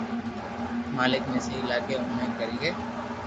مالڪ ني سھي لاگي اوئي ڪرئي